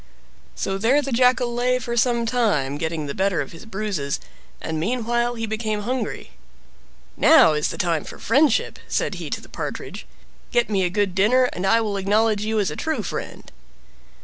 So there the Jackal lay for some time, getting the better of his bruises, and meanwhile he became hungry. "Now is the time for friendship!" said he to the Partridge. "Get me a good dinner, and I will acknowledge you a true friend."